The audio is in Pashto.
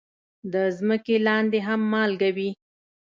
د ځمکې لاندې هم مالګه وي.